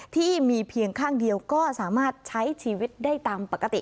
ที่มีเพียงข้างเดียวก็สามารถใช้ชีวิตได้ตามปกติ